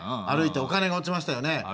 歩いてお金が落ちましたよね。